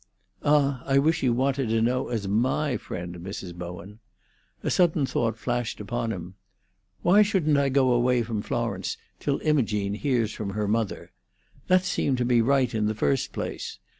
"Ah, I wish you wanted to know as my friend, Mrs. Bowen!" A sudden thought flashed upon him. "Why shouldn't I go away from Florence till Imogene hears from her mother? That seemed to me right in the first place.